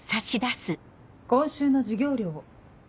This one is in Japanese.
今週の授業料を。